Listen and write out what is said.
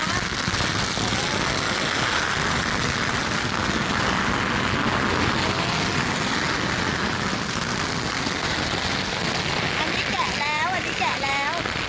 อันนี้แกะแล้วอันนี้แกะแล้ว